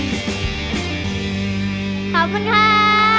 ขอบคุณค่ะ